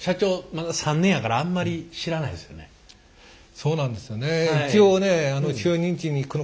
そうなんですよね。